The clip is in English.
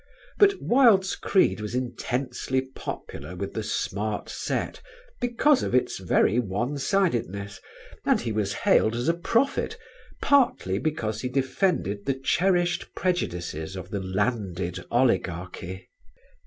But Wilde's creed was intensely popular with the "Smart Set" because of its very one sidedness, and he was hailed as a prophet partly because he defended the cherished prejudices of the "landed" oligarchy.